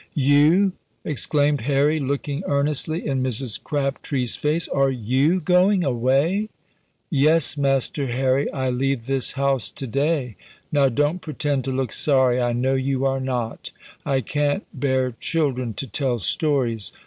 "You!" exclaimed Harry, looking earnestly in Mrs. Crabtree's face. "Are you going away?" "Yes, Master Harry, I leave this house to day! Now, don't pretend to look sorry! I know you are not! I can't bear children to tell stories.